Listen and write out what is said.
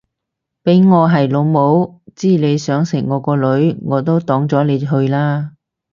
俾我係老母知你想食我個女我都擋咗你去啦